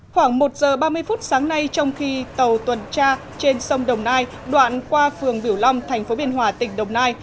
khoảng một giờ ba mươi phút sáng nay trong khi tàu tuần tra trên sông đồng nai đoạn qua phường viểu long tp biên hòa tỉnh đồng nai